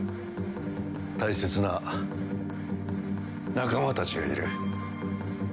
大切な仲間たちがいる。